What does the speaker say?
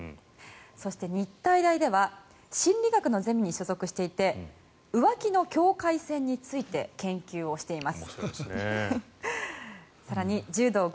そして、日体大では心理学のゼミに所属していて浮気の境界線について研究をしています。